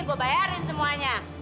gue bayarin semuanya